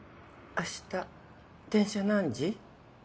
明日電車何時？